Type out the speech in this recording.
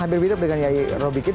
hampir mirip dengan yai robikin